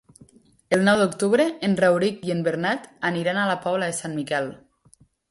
El nou d'octubre en Rauric i en Bernat aniran a la Pobla de Sant Miquel.